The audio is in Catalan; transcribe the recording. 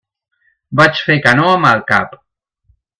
Vaig fer que no amb el cap.